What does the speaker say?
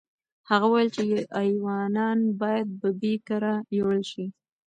هغه وویل چې ایوانان باید ببۍ کره یوړل شي.